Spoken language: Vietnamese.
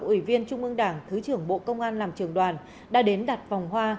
ủy viên trung ương đảng thứ trưởng bộ công an làm trường đoàn đã đến đặt vòng hoa